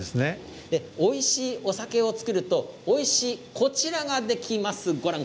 おいしいお酒を造るとおいしいこちらができます。